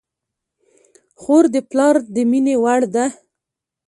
خور د پلار د مینې وړ ده.